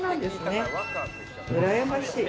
うらやましい。